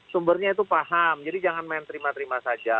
sumbernya itu paham jadi jangan main terima terima saja